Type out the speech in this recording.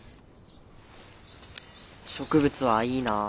植物はいいな。